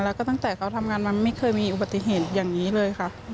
แล้วก็ตั้งแต่เขาทำงานมาไม่เคยมีอุบัติเหตุอย่างนี้เลยค่ะ